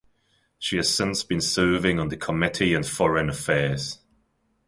She has since been serving on the Committee on Foreign Affairs.